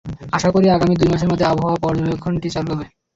আশা করি, আগামী দুই মাসের মধ্যে আবহাওয়া পর্যবেক্ষণাগারটি চালু করা যাবে।